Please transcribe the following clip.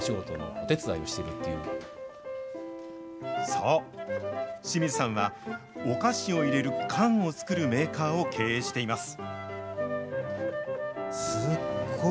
そう、清水さんは、お菓子を入れる缶を作るメーカーを経営しています。